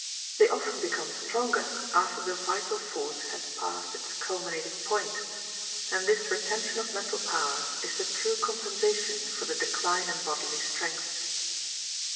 They often become stronger after the vital force has passed its culminating point; and this retention of mental power is the true compensation for the decline in bodily strength.